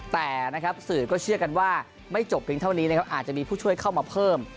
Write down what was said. แต่นะครับสื่อก็เชื่อกันว่าไม่จบเพียงเท่านี้นะครับอาจจะมีผู้ช่วยเข้ามาเพิ่ม